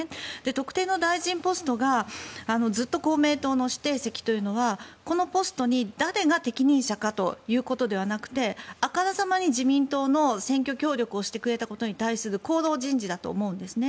特定の大臣ポストがずっと公明党の指定席というのはこのポストに誰が適任者かということではなくてあからさまに自民党の選挙協力をしてくれたことに対する功労人事だと思うんです。